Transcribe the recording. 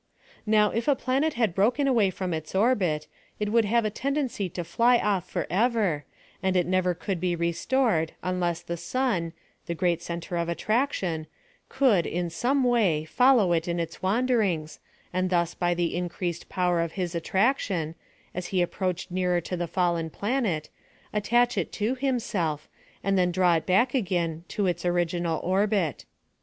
Now, if a planet had broken away from its orbit, it would have a tendency to fly off forever, and it never could be restored, unless the sun, the great centre of attraction, could, in some v/ay, follow it in its wanderings, and thus by the increased power of his attraction, as lie approached nearer to the fallen planet, attach it to himself, and then draw it back agfahi to its oriiJ inal oiMt.